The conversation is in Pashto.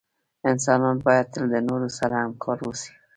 انسانان باید تل دنورو سره همکار اوسې